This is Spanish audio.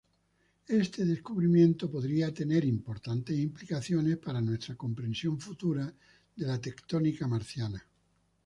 Este descubrimiento podría tener importantes implicaciones para nuestra comprensión futura de la tectónica marciana.